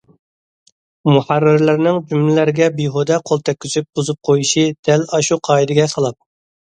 مۇھەررىرلەرنىڭ جۈملىلەرگە بىھۇدە قول تەگكۈزۈپ بۇزۇپ قويۇشى دەل ئاشۇ قائىدىگە خىلاپ.